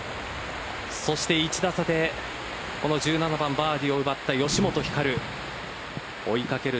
そして１打差で１７番バーディーを奪った吉本ひかる。